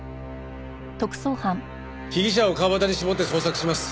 被疑者を川端に絞って捜索します。